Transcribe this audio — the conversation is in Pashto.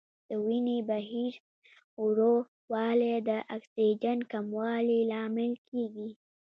د وینې بهیر ورو والی د اکسیجن کموالي لامل کېږي.